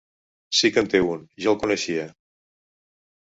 Sí que en té un, jo el coneixia.